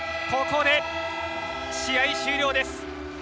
ここで試合終了です。